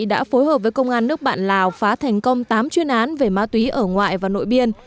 đã phối hợp với công an nước bạn lào phá thành công tám chuyên án về ma túy ở ngoại và nội biên